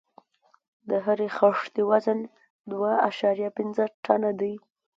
د هرې خښتې وزن دوه اعشاریه پنځه ټنه دی.